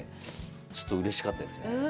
ちょっとうれしかったですね。